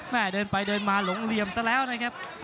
เดินไปเดินมาหลงเหลี่ยมซะแล้วนะครับ